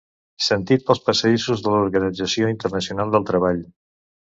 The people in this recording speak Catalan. Sentit pels passadissos de l'Organització Internacional del Treball.